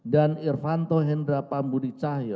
dan irvanto hendra pambudicahyo